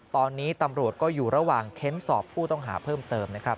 ตอนนี้ตำรวจก็อยู่ระหว่างเค้นสอบผู้ต้องหาเพิ่มเติมนะครับ